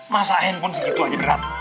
masa handphone segitu aja berat